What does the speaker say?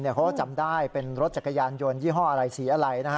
เขาก็จำได้เป็นรถจักรยานยนต์ยี่ห้ออะไรสีอะไร